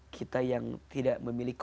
kita yang tidak memiliki